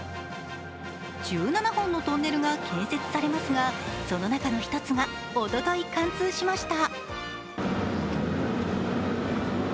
１７本のトンネルが建設されますが、その中の１つがおととい貫通しました。